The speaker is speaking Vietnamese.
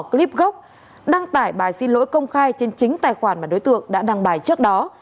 clip gốc đăng tải bài xin lỗi công khai trên chính tài khoản mà đối tượng đã đăng bài trước đó